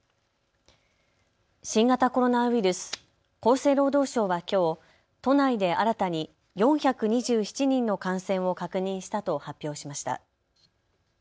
新型コロナウイルス、厚生労働省はきょう都内で新たに４２７人の感染を確認したと発表しました。